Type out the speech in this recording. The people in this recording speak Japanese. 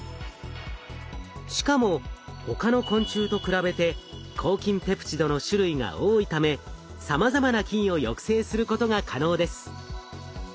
しかも他の昆虫と比べて抗菌ペプチドの種類が多いためさまざまな菌を抑制することが可能です。